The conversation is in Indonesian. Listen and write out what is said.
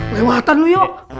lewatan lu yuk